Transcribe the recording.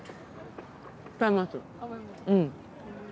うん。